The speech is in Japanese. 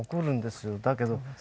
だけど。